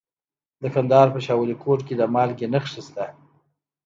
د کندهار په شاه ولیکوټ کې د مالګې نښې شته.